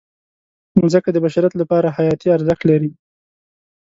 مځکه د بشریت لپاره حیاتي ارزښت لري.